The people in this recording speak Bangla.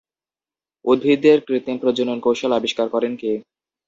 উদ্ভিদের কৃত্রিম প্রজনন কৌশল আবিষ্কার করেন কে?